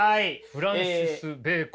フランシス・ベーコン。